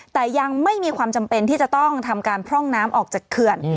แต่ยังไม่มีความจำเป็นที่จะต้องทำการพร่องน้ำออกจากเขื่อน